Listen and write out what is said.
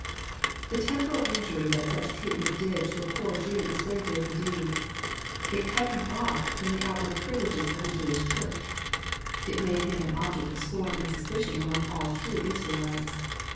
The temporal injury that such treatment did to a poor Jew was very great indeed. It cut him off f x>m the out< JOHN, CHAP. IX. 161 ward privileges of the Jewish Church. It made him an object of scorn and suspicion among all true Israelites.